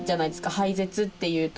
廃絶っていうと。